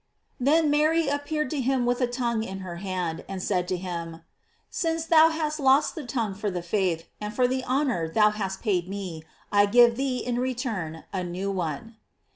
Then Mary appeared to him with a tongue in her hand, and said to him: "Since thou hast lost the tongue for the faith, and for the honor thou hast paid me, I give thee in return a new one."